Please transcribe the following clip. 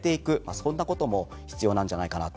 そんなことも必要なんじゃないかなと思います。